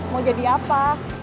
mau jadi apa